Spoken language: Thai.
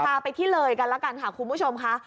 พาไปที่เลยกันแล้วกันค่ะคุณผู้ชมค่ะ